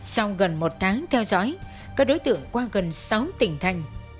sau gần một tháng theo dõi các đối tượng qua gần sáu tỉnh thành